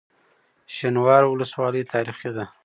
شینوارو ولسوالۍ تاریخي ده؟